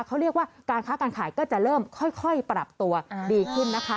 เขาเรียกว่าการค้าการขายก็จะเริ่มค่อยปรับตัวดีขึ้นนะคะ